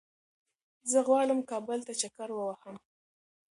زه غواړم کابل ته چکر ووهم